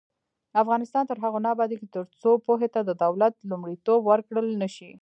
افغانستان تر هغو نه ابادیږي، ترڅو پوهې ته د دولت لومړیتوب ورکړل نشي.